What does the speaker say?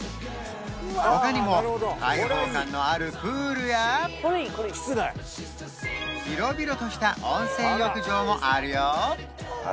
他にも開放感のあるプールや広々とした温泉浴場もあるよ